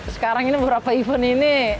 sekarang ini beberapa event ini